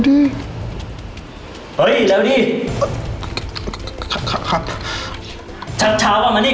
ดิเฮ้ยเร็วดิค่ะค่ะค่ะค่ะชัดเช้าว่ามันนี่